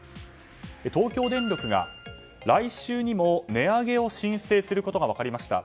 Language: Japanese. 東京電力が来週にも値上げを申請することが分かりました。